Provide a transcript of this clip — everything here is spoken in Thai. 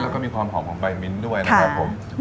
แล้วก็มีความหอมของใบมิ้นด้วยนะครับผม